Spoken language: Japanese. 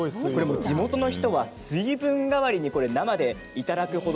地元の人は水分代わりに生でいただく程